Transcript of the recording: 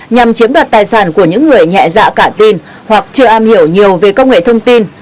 nhằm chiếm đoạt tài sản của những người nhẹ dạ cả tin hoặc chưa am hiểu nhiều về công nghệ thông tin